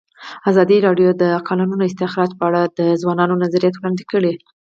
ازادي راډیو د د کانونو استخراج په اړه د ځوانانو نظریات وړاندې کړي.